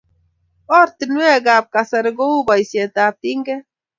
Oratinwekab kasari kou boisiteab tinget,